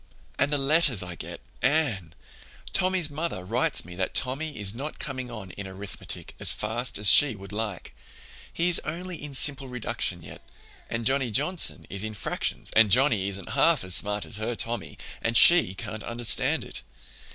"And the letters I get, Anne! Tommy's mother writes me that Tommy is not coming on in arithmetic as fast as she would like. He is only in simple reduction yet, and Johnny Johnson is in fractions, and Johnny isn't half as smart as her Tommy, and she can't understand it.